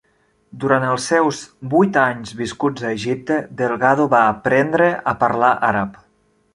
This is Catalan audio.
Durant els seus vuit anys viscuts a Egipte, Delgado va aprendre a parlar àrab.